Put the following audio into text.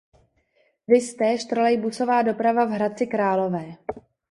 Viz též Trolejbusová doprava v Hradci Králové.